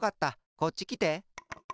こっちきて。